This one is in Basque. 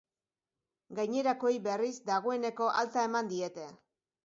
Gainerakoei, berriz, dagoeneko alta eman diete.